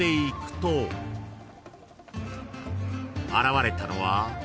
［現れたのは］